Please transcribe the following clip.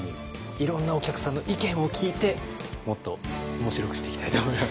いろんなお客さんの意見を聞いてもっと面白くしていきたいと思います。